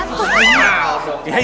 gak ada satu